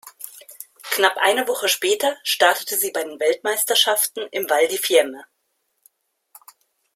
Knapp eine Woche später startete sie bei den Weltmeisterschaften im Val di Fiemme.